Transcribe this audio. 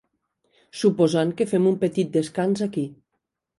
Suposant que fem un petit descans aquí.